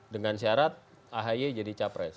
dengan syarat ahy jadi capres